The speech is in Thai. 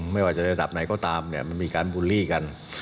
ไม่ว่าจะระดับไหนก็ตามมีการบุลลี่กัน